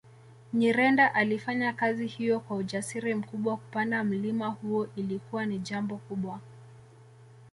Nyirenda alifanya kazi hiyo kwa ujasiri mkubwa kupanda mlima huo ilikuwa ni jambo kubwa